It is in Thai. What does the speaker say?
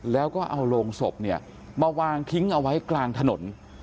แล้วก็เอาโรงศพเนี่ยมาวางทิ้งเอาไว้กลางถนน